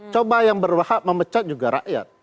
coba yang berhak memecat juga rakyat